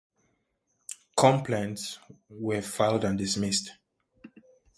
Complaints were filed and dismissed.